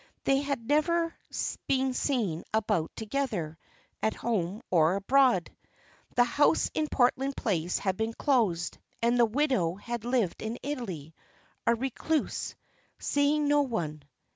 They had never been seen about together, at home or abroad. The house in Portland Place had been closed, and the widow had lived in Italy, a recluse, seeing no one.